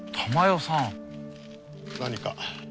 何か？